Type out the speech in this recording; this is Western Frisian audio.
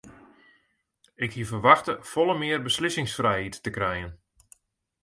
Ik hie ferwachte folle mear beslissingsfrijheid te krijen.